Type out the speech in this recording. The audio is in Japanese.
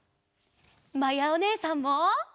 まやおねえさんも！